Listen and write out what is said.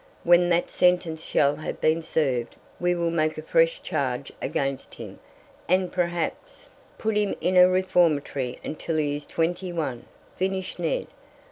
When that sentence shall have been served we will make a fresh charge against him, and perhaps " "Put him in a reformatory until he is twenty one," finished Ned.